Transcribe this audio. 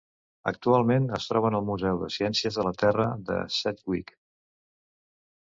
Actualment es troben al Museu de Ciències de la Terra de Sedgwick.